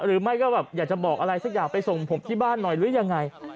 หรือไม่ก็แบบอยากจะบอกอะไรสักอย่างไปส่งผมที่บ้านหน่อยหรือยังไง